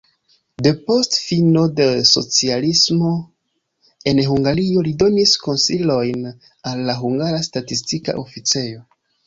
Depost fino de socialismo en Hungario li donis konsilojn al la hungara statistika oficejo.